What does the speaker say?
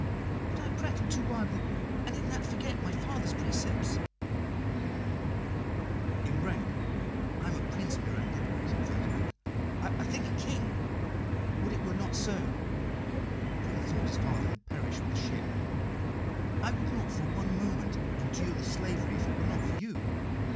But I prattle too wildly, and in that forget my father's precepts." [Illustration: "I love and honour you beyond all limit."] "In rank I am a Prince, Miranda," said Ferdinand, "I think a King: would it were not so!" For he thought his father had perished with the ship. "I would not for one moment endure this slavery if it were not for you.